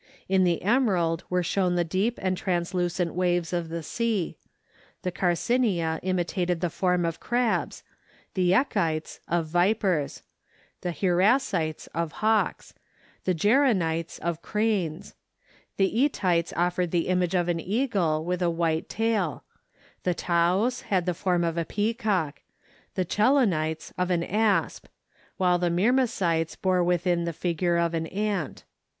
In the emerald were shown the deep and translucent waves of the sea; the carcinia imitated the form of crabs; the echites, of vipers; the hieracites, of hawks; the geranites, of cranes. The ætites offered the image of an eagle with a white tail; the taos had the form of a peacock; the chelonites, of an asp; while the myrmecites bore within the figure of an ant.